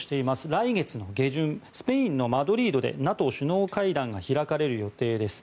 来月の下旬スペインのマドリードでＮＡＴＯ首脳会談が開かれる予定です。